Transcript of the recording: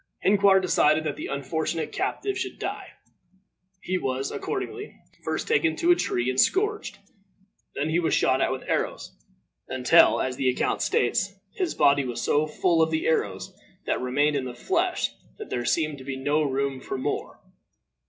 Hinquar decided that the unfortunate captive should die. He was, accordingly, first taken to a tree and scourged. Then he was shot at with arrows, until, as the account states, his body was so full of the arrows that remained in the flesh that there seemed to be no room for more.